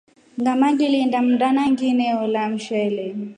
Ngama ngilinda mndana nginola mshele.